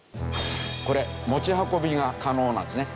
これ持ち運びが可能なんですね。